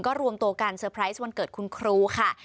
ก็รวมตัวกันเตอร์ไพรส์วันเกิดคุณครูค่ะ